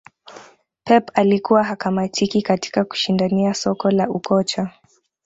Pep alikuwa hakamatiki katika kushindania soko la ukocha